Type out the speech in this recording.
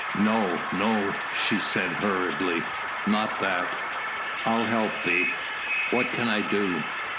"No! no!" she said hurriedly. "Not that.... I'll help thee!... What can I do?"